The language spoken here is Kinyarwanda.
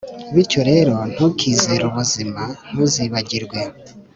bityo rero ntukizere ubuzima ntuzibagirwe